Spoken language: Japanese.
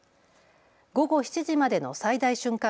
午後７時までの最大瞬間